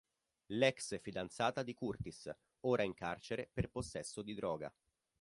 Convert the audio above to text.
L'ex fidanzata di Curtis, ora in carcere per possesso di droga.